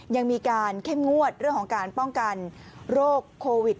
ยังมีการเข้มงวดเรื่องของการป้องกันโรคโควิด